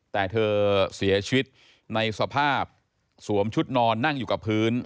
แต่เธอเสียชีวิตในสภาพสวมชุดนอนนั่งอยู่กับพื้น